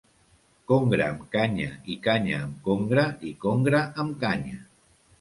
Congre amb canya i canya amb congre i congre amb canya.